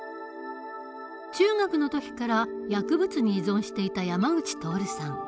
中学の時から薬物に依存していた山口徹さん。